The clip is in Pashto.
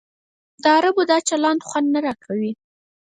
د عربو دا چلند خوند نه راکوي.